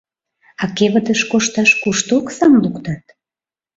А кевытыш кошташ кушто оксам луктат?